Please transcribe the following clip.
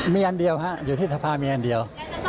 มีอันเดียวฮะอยู่ที่สภามีอันเดียว